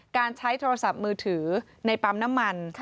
การใช้โทรศัพท์มือถือในปั๊มน้ำมัน